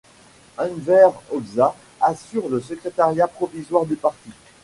Enver Hoxha assure le secrétariat provisoire du parti.